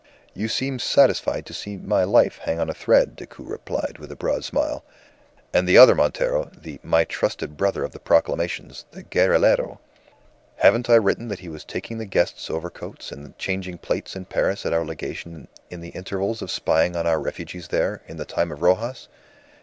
"You seem satisfied to see my life hang on a thread," Decoud replied, with a broad smile. "And the other Montero, the 'my trusted brother' of the proclamations, the guerrillero haven't I written that he was taking the guests' overcoats and changing plates in Paris at our Legation in the intervals of spying on our refugees there, in the time of Rojas?